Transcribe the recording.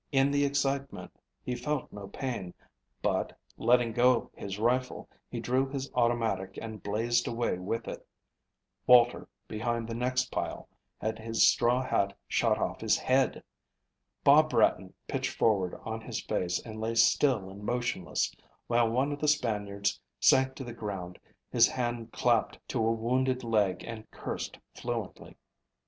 In the excitement he felt no pain, but, letting go his rifle, he drew his automatic and blazed away with it. Walter, behind the next pile, had his straw hat shot off his head. Bob Bratton pitched forward on his face and lay still and motionless, while one of the Spaniards sank to the ground, his hand clapped to a wounded leg and cursed fluently.